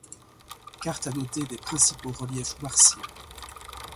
Carte annotée des principaux reliefs martiens.